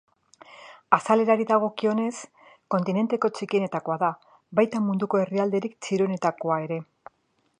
Azalerari dagokionez, kontinenteko txikienetakoa da, baita munduko herrialderik txiroenetakoa ere.